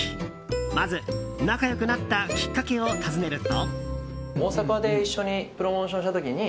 まず仲良くなったきっかけを尋ねると。